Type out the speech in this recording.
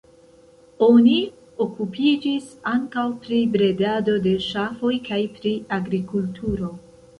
Oni okupiĝis ankaŭ pri bredado de ŝafoj kaj pri agrikulturo.